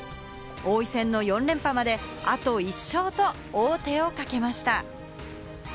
王位戦の４連覇まで、あと１勝と王手をかけました。